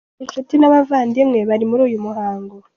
Inshuti n’abavandimwe bari muri uyu muhango.